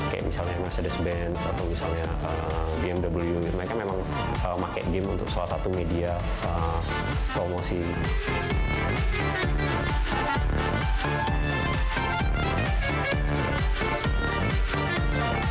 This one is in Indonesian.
kayak misalnya mercedes benz atau misalnya game ww mereka memang pakai game untuk salah satu media promosi